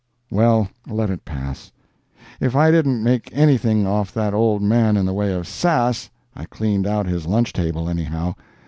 Well, let it pass. If I didn't make anything off that old man in the way of "sass," I cleaned out his lunch table, anyhow.